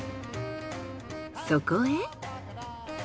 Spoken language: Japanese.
そこへ。